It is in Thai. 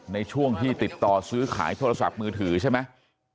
ในช่วงที่ติดต่อซื้อขายโทรศัพท์มือถือใช่ไหม